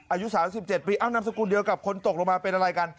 อายุ๓๗ปีเอานามสกุลเดียวกับคนตกลงมาเป็นอะไรกัน